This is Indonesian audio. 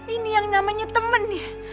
ini yang namanya temen nih